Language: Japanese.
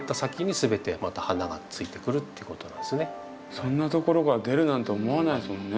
そんなところから出るなんて思わないですもんね。